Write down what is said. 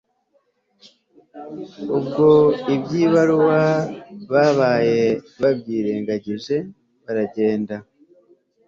Ubwo ibyibaruwa babaye babyirengagije baragenda